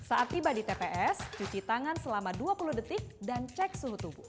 saat tiba di tps cuci tangan selama dua puluh detik dan cek suhu tubuh